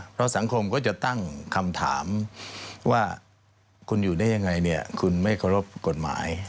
เพราะสังคมก็จะตั้งคำถามว่าคุณอยู่ได้ยังไงเนี่ยคุณไม่เคารพกฎหมาย